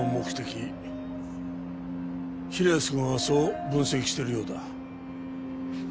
平安くんはそう分析しているようだ。